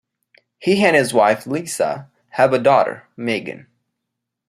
He and his wife Lisa have a daughter, Meghan.